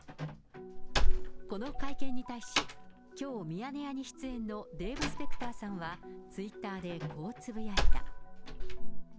この会見に対し、きょう、ミヤネ屋に出演のデーブ・スペクターさんは、ツイッターで、こうつぶやいた。